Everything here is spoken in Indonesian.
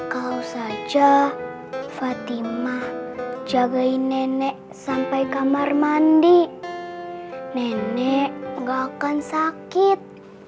kau saja fatimah jagain nenek sampai kamar mandi nenek gak akan sakit